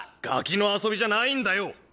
ガキの遊びじゃないんだよ！